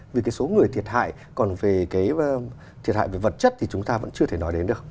vì cái số người thiệt hại còn về cái thiệt hại về vật chất thì chúng ta vẫn chưa thể nói đến được